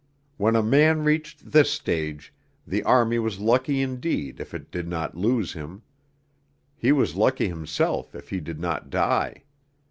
When a man reached this stage, the army was lucky indeed if it did not lose him; he was lucky himself if he did not die.